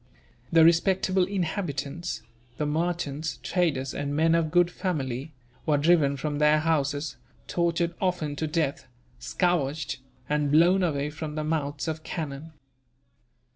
The respectable inhabitants the merchants, traders, and men of good family were driven from their houses, tortured often to death, scourged, and blown away from the mouths of cannon.